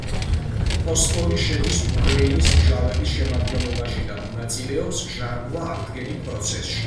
ფოსფორი შედის ნუკლეინის მჟავების შემადგენლობაში და მონაწილეობს ჟანგვა–აღდგენით პროცესებში.